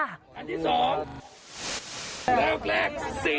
แล้วก็แรก๔